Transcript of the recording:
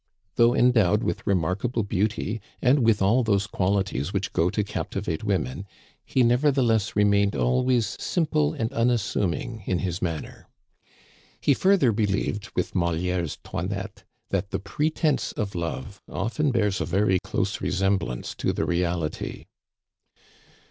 Though endowed with remarkable beauty, and with all those qualities which go to captivate women, he never theless remained always simple and unassuming in his manner. He further believed, with Molière's Toinette, that the pretense of love often bears a very close resem blance to the reality.